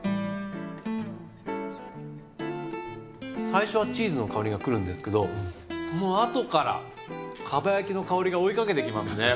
最初はチーズの香りがくるんですけどそのあとからかば焼きの香りが追いかけてきますね。